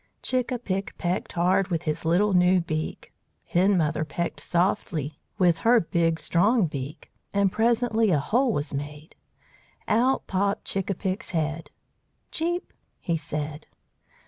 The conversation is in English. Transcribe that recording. Chick a pick pecked hard with his little new beak. Hen Mother pecked softly with her big strong beak, and presently a hole was made. Out popped Chick a pick's head. "Cheep!" he said.